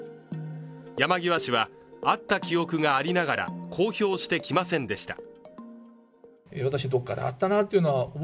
山際氏は会った記憶がありながら公表してきませんでした。